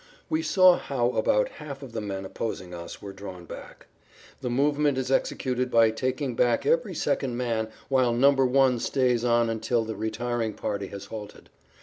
We saw how about half of the men opposing us were drawn back. The movement is executed by taking back every second man whilst number one stays on until the retiring party has halted.